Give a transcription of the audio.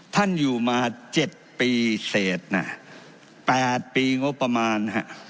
ท่านอยู่มา๗ปีเศสนะ๘ปีโง่ประมาณ